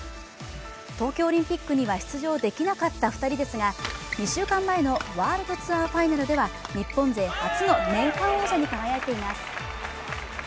東京オリンピックには出場できなかった２人ですが、２週間前のワールドツアーファイナルでは日本勢初の年間王者に輝いています。